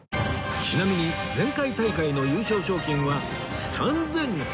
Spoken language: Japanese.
ちなみに前回大会の優勝賞金は３８００万ドル！